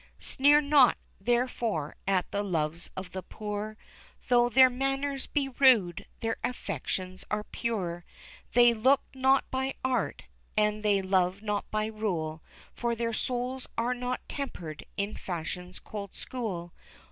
Sneer not, therefore, at the loves of the poor, Though their manners be rude their affections are pure; They look not by art, and they love not by rule, For their souls are not tempered in fashion's cold school.